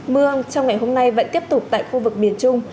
mưa trong ngày hôm nay vẫn tiếp tục tại khu vực miền trung